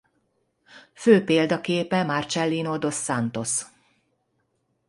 Fő példaképe Marcellino dos Santos.